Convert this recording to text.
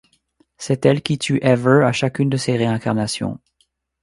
C'est elle qui tue Ever à chacune de ses réincarnations.